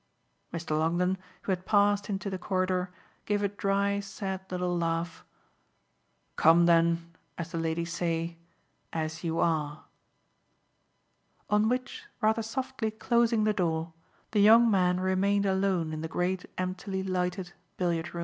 Mr. Longdon, who had passed into the corridor, gave a dry sad little laugh. "Come then as the ladies say 'as you are'!" On which, rather softly closing the door, the young man remained alone in the great emptily lighted billiard room.